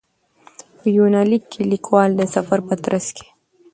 په یونلیک کې لیکوال د سفر په ترڅ کې.